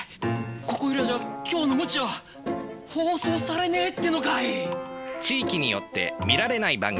ここいらじゃ「今日の鞭」は放送されねえってのかい！